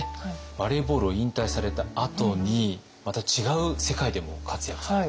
バレーボールを引退されたあとにまた違う世界でも活躍されて。